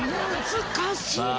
難しい！